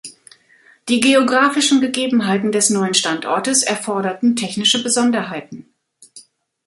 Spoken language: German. Die geographischen Gegebenheiten des neuen Standortes erforderten technische Besonderheiten.